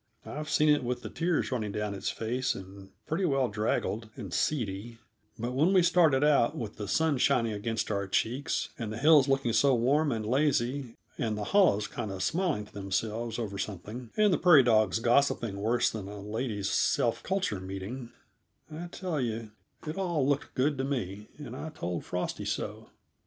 I've seen it with the tears running down its face, and pretty well draggled and seedy; but when we started out with the sun shining against our cheeks and the hills looking so warm and lazy and the hollows kind of smiling to themselves over something, and the prairie dogs gossiping worse than a ladies' self culture meeting, I tell you, it all looked good to me, and I told Frosty so.